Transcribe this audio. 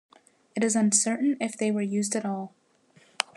It is uncertain if they were used at all.